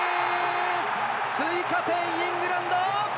追加点、イングランド！